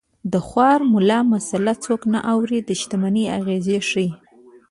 د خوار ملا مساله څوک نه اوري د شتمنۍ اغېز ښيي